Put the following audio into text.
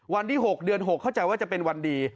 วันที่๖เดือน๖เข้าใจว่าจะเป็นวันดี